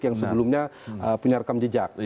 yang sebelumnya punya rekam jejak